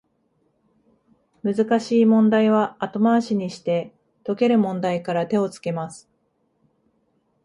難しい問題は後回しにして、解ける問題から手をつけます